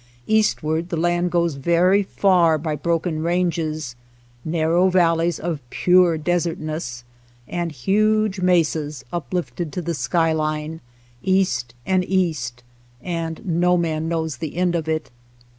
Eastward the land goes very far by broken ranges, narrow valleys of pure desertness, and huge mesas uplifted to the sky line, east and east, and no man knows the end of it.